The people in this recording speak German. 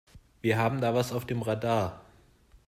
Wir haben da was auf dem Radar.